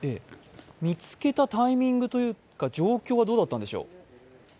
見つけたタイミングというか状況はどうだったんでしょう。